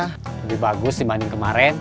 lebih bagus dibanding kemaren